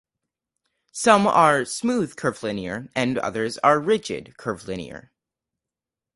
Some are smooth curvilinear and others are ridged curvilinear.